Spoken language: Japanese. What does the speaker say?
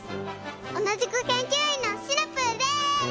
おなじくけんきゅういんのシナプーです！